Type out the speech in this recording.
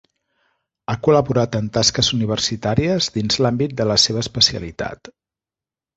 Ha col·laborat en tasques universitàries dins l'àmbit de la seva especialitat.